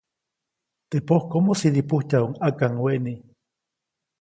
Teʼ pojkomo sidipujtyajuʼuŋ ʼakaŋweʼni.